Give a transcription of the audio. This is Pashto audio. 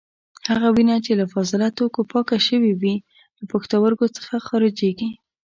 هغه وینه چې له فاضله توکو پاکه شوې وي له پښتورګو څخه خارجېږي.